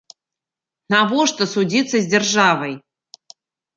Навошта судзіцца з дзяржавай?